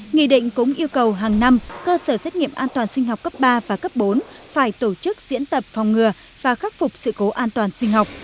nghị định cũng yêu cầu hàng năm cơ sở xét nghiệm an toàn sinh học cấp ba và cấp bốn phải tổ chức diễn tập phòng ngừa và khắc phục sự cố an toàn sinh học